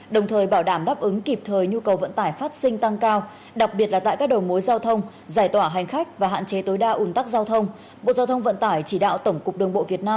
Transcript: đồng thời bảo đảm đáp ứng kịp thời nhu cầu vận tải phát sinh tăng cao đặc biệt là tại các đầu mối giao thông